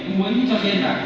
núi cho nên là